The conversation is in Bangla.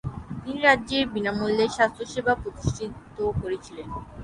তিনি রাজ্যের বিনামূল্যে স্বাস্থ্য সেবা প্রতিষ্ঠিত করেছিলেন।